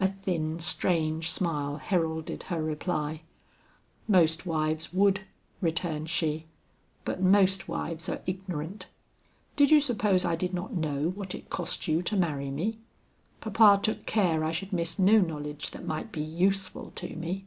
"A thin strange smile heralded her reply. 'Most wives would,' returned she, 'but most wives are ignorant. Did you suppose I did not know what it cost you to marry me? Papa took care I should miss no knowledge that might be useful to me.'